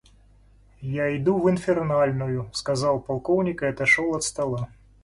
Я иду в инфернальную, — сказал полковник и отошел от стола.